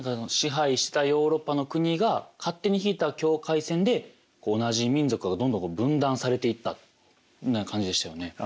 支配してたヨーロッパの国が勝手に引いた境界線で同じ民族がどんどん分断されていったみたいな感じでしたよね。